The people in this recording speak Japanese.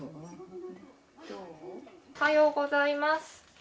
おはようございます。